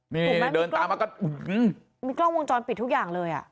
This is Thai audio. นี่เดินตามมาก็มีกล้องวงจรปิดทุกอย่างเลยอ่ะ